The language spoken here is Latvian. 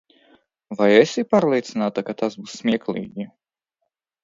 Vai esi pārliecināta, ka tas būs smieklīgi?